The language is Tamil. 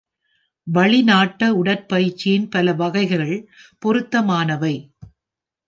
வளிநாட்ட உடற்பயிற்சியின் பல வகைகள் பொருத்தமானவை.